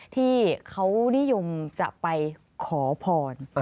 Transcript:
ที่เขานิยมจะไปขอพร